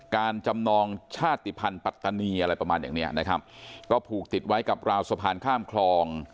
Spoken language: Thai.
จำนองชาติภัณฑ์ปัตตานีอะไรประมาณอย่างเนี้ยนะครับก็ผูกติดไว้กับราวสะพานข้ามคลอง